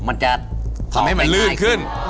มันจะทำให้มันลื่นขึ้น